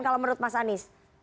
kalau menurut mas anies